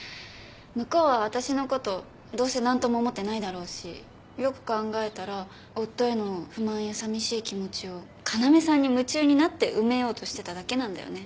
向こうは私のことどうせ何とも思ってないだろうしよく考えたら夫への不満や寂しい気持ちを要さんに夢中になって埋めようとしてただけなんだよね